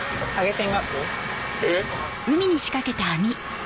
えっ！